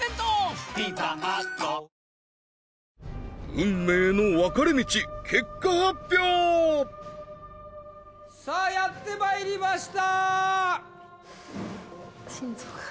運命の分かれ道さあやってまいりました